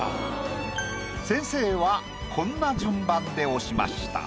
先生はこんな順番で押しました。